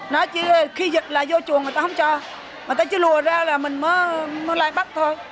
nó chỉ khi dịch là vô chuồng người ta không cho người ta chỉ lùa ra là mình mới lại bắt thôi